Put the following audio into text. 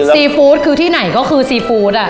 ซีฟู้ดคือที่ไหนก็คือซีฟู้ด